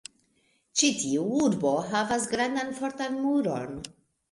Ĉi tiu urbo havas grandan fortan muron.